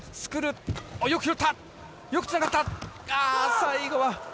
最後は。